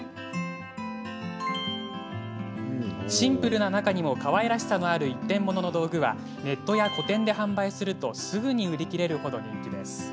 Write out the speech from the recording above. シンプルな中にかわいらしさのある一点物の道具はネットや個展で販売するとすぐに売り切れるほど人気です。